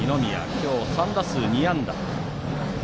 今日は３打数２安打。